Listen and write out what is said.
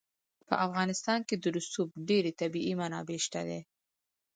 په افغانستان کې د رسوب ډېرې طبیعي منابع شته دي.